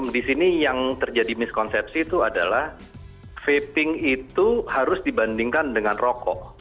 di sini yang terjadi miskonsepsi itu adalah vaping itu harus dibandingkan dengan rokok